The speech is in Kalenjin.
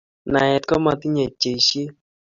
naet komatinyei pcheisiet